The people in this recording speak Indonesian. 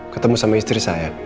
ketemu sama istri saya